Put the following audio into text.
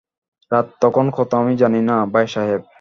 রাত তখন কত আমি জানি না ভাইসাহেব।